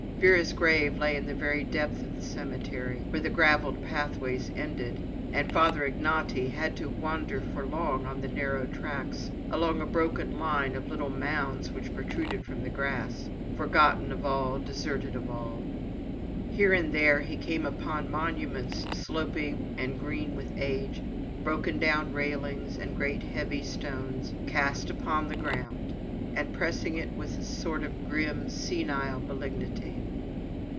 Vera's grave lay in the very depth of the cemetery, where the gravelled pathways ended; and Father Ignaty had to wander for long on the narrow tracks, along a broken line of little mounds which protruded from the grass, forgotten of all, deserted of all. Here and there he came upon monuments sloping and green with age, broken down railings, and great heavy stones cast upon the ground, and pressing it with a sort of grim senile malignity.